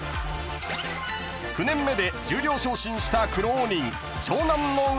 ［９年目で十両昇進した苦労人湘南乃海関］